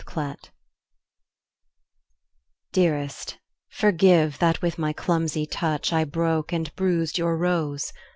Stupidity Dearest, forgive that with my clumsy touch I broke and bruised your rose.